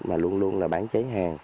mà luôn luôn là bán cháy hàng